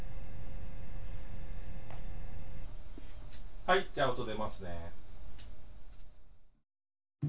はいじゃあ音出ますね。